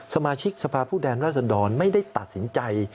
สมาชิกสภาพผู้แทนรัศดรไม่ได้ตัดสินใจ